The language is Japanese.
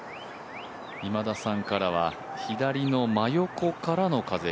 今田さんからは、左の真横からの風。